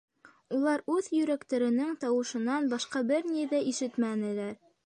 Улар үҙ йөрәктәренең тауышынан башҡа бер ни ҙә ишетмәнеләр.